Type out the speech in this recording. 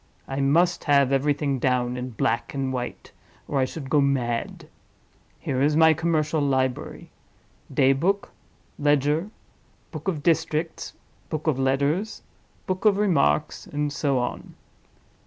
I must have everything down in black and white, or I should go mad! Here is my commercial library: Daybook, Ledger, Book of Districts, Book of Letters, Book of Remarks, and so on.